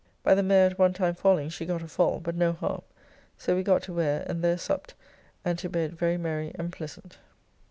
By the mare at one time falling she got a fall, but no harm; so we got to Ware, and there supped, and to bed very merry and pleasant.